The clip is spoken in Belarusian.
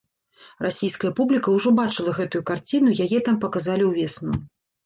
Расійская публіка ўжо бачыла гэтую карціну, яе там паказалі ўвесну.